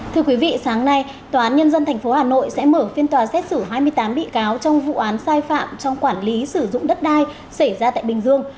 thưa quý vị sáng nay tòa án nhân dân tp hà nội sẽ mở phiên tòa xét xử hai mươi tám bị cáo trong vụ án sai phạm trong quản lý sử dụng đất đai xảy ra tại bình dương